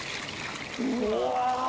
うわ。